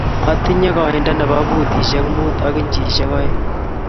Atinye koindo nebo butishek muut ago inchishek aeng--